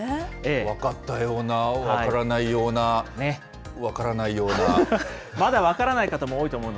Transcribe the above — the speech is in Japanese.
分かったような分からないような、分からないような。